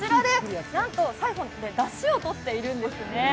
なんとサイフォンでだしをとっているんですね。